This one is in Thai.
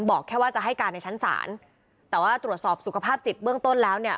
บอกแค่ว่าจะให้การในชั้นศาลแต่ว่าตรวจสอบสุขภาพจิตเบื้องต้นแล้วเนี่ย